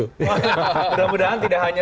mudah mudahan tidak hanya